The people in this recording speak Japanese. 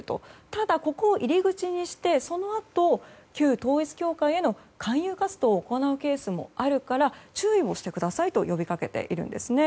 ただ、ここを入り口にしてそのあと、旧統一教会への勧誘活動を行うケースもあるから注意をしてくださいと呼びかけているんですね。